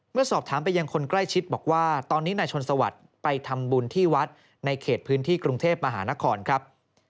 สอบถามไปยังคนใกล้ชิดบอกว่าตอนนี้นายชนสวัสดิ์ไปทำบุญที่วัดในเขตพื้นที่กรุงเทพมหานครครับ